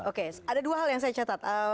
oke ada dua hal yang saya catat